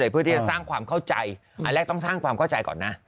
เพื่อที่จะสร้างความเข้าใจอันแรกต้องสร้างความเข้าใจก่อนนะ